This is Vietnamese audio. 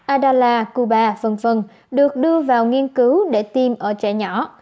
adalla cuba v v được đưa vào nghiên cứu để tiêm ở trẻ nhỏ